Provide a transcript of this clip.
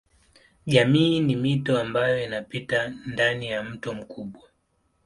Jamii ni mito ambayo inapita ndani ya mto mkubwa.